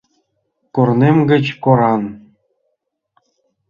Корнем гыч кораҥ!